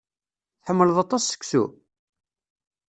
Tḥemmleḍ aṭas seksu?